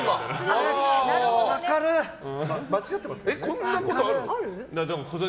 こんなことある？